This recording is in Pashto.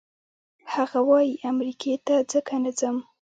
هغه وايي امریکې ته ځکه نه ځم.